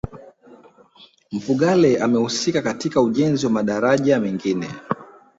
mfugale amehusika katika ujenzi wa madaraja mengine